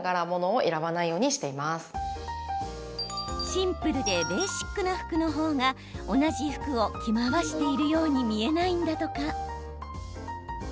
シンプルでベーシックな服の方が同じ服を着回しているように見えないんだとか。